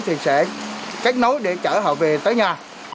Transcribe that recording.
thì sẽ kết nối để chở họ về tới nhà